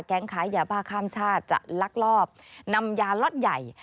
ค้ายาบ้าข้ามชาติจะลักลอบนำยาล็อตใหญ่